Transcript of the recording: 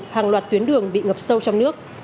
hàng loạt tuyến đường bị ngập sâu trong nước